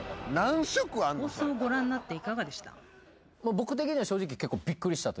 僕的には正直結構。